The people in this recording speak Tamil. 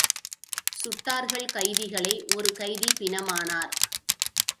சுட்டார்கள் கைதிகளை ஒரு கைதி பிணமானார்.